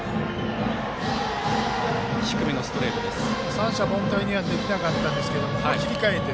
三者凡退にはできなかったんですけどここ、切り替えて。